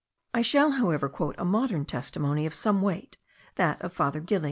I shall, however, quote a modern testimony of some weight, that of Father Gili.